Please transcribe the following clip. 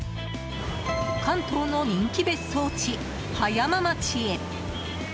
関東の人気別荘地、葉山町へ。